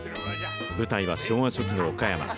舞台は昭和初期の岡山。